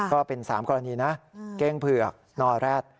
ก็เป็น๓กรณีนะเก้งเผือกนอแร็ด